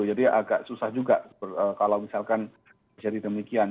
jadi agak susah juga kalau misalkan jadi demikian